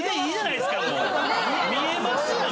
見えますやん。